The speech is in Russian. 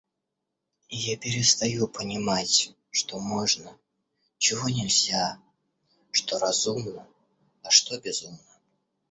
И я перестаю понимать, что можно, чего нельзя, что разумно, а что безумно.